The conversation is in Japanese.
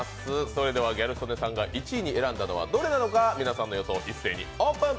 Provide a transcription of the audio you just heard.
それではギャル曽根さんが１位に選んだのはどれなのか、皆さんの予想、一斉にオープン。